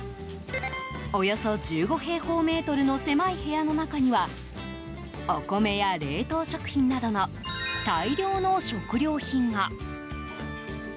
およそ１５平方メートルの狭い部屋の中にはお米や冷凍食品などの大量の食料品が。